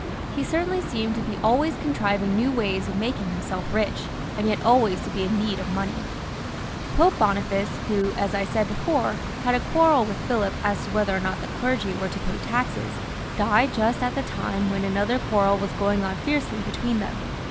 He certainly seemed to be always con trivtag new Ly. of maUag Lsm rich, ^ yet .l^y. Pope Boniface, who, as I said before, had a quarrel with Philip as to whether or not the clergy were to pay taxes, died just at the time when another quarrel was going on fiercely between them.